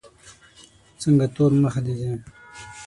څنګه تور مخ دي دی.